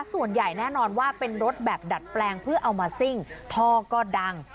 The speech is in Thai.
ส่วนใหญ่แน่นอนว่าเป็นรถแบบดัดแปลงเพื่อเอามาซิ่งท่อก็ดัง